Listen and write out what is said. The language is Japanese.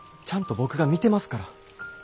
ちゃんと僕が見てますから。